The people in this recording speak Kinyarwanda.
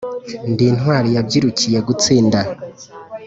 Ndi intwari yabyirukiye gutsinda